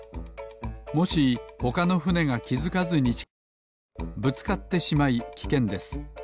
もしほかのふねがきづかずにちかづくとぶつかってしまいきけんです。